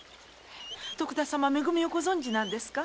徳田様め組をご存じなんですか？